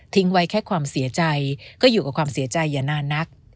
ไว้แค่ความเสียใจก็อยู่กับความเสียใจอย่านานนัก